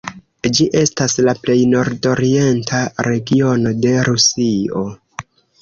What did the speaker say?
Ĝi estas la plej nordorienta regiono de Rusio.